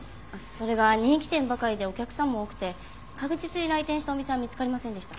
それが人気店ばかりでお客さんも多くて確実に来店したお店は見つかりませんでした。